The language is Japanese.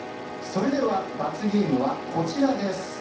それでは罰ゲームはこちらです。